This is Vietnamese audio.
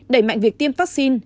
đẩy mạnh việc tiêm vaccine